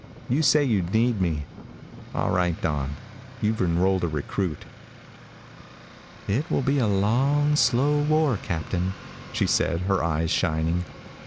You say you need me. All right, Dawn, you've enrolled a recruit." "It will be a long, slow war, Captain," she said, her eyes shining.